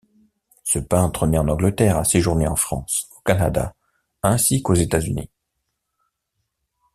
Ce peintre né en Angleterre a séjourné en France, au Canada ainsi qu'aux États-Unis.